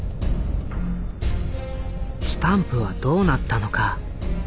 スタンプはどうなったのか？